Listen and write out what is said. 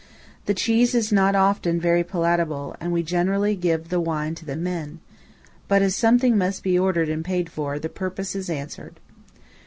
The cheese is not often very palatable, and we generally give the wine to the men; but as something must be ordered and paid for, the purpose is answered.